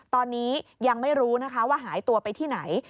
ตอนนี้ยังไม่รู้นะคะว่าหายตัวไปที่ไหน